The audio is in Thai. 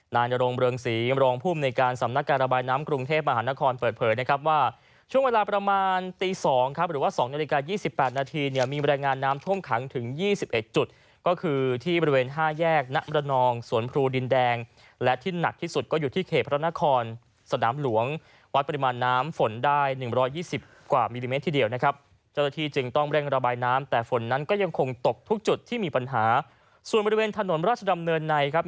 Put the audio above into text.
ณโดยโรงเบืองศรีรองภูมิในการสำนักการระบายน้ำกรุงเทพมหานครเปิดเผยนะครับว่าช่วงเวลาประมาณตีสองครับหรือว่าสองนาฬิกายี่สิบแปดนาทีเนี่ยมีบรรยายงานน้ำท่วมขังถึงยี่สิบเอ็ดจุดก็คือที่บริเวณห้าแยกน้ำรนองสวนพรูดินแดงและที่หนักที่สุดก็อยู่ที่เขตพระรณครสนามหลวงวั